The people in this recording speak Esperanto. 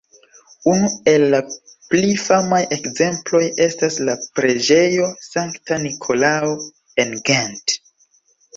Unu el la pli famaj ekzemploj estas la preĝejo Sankta Nikolao en Gent.